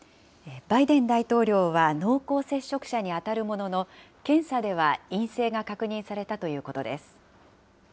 バイデン大統領は濃厚接触者に当たるものの、検査では陰性が確認されたということです。